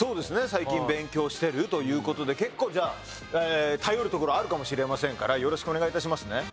最近勉強してるという事で結構じゃあ頼るところあるかもしれませんからよろしくお願いいたしますね。